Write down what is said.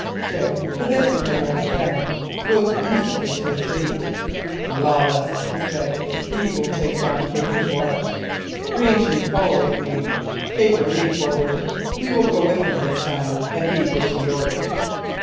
Dick (for this was our young friend) rose instantly to his feet. "Lawless," he said, "ye will take John Capper's watch. Greensheve, follow with me. Capper, lead forward. We will follow him this time, an he go to York."